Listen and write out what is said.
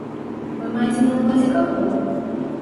Вы маеце на ўвазе каго?